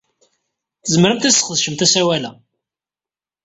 Tzemremt ad tesqedcemt asawal-a.